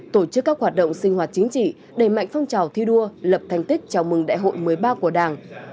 tổ chức các hoạt động sinh hoạt chính trị đẩy mạnh phong trào thi đua lập thành tích chào mừng đại hội một mươi ba của đảng